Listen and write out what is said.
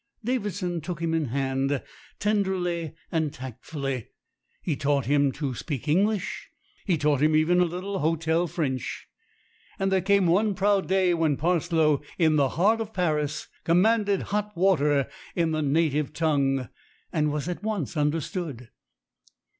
Davidson took him in hand tenderly and tactfully. He taught him to speak Eng lish. He taught him even a little hotel French, and there came one proud day when Parslow, in the heart of Paris, commanded hot water in the native tongue, and was at once understood.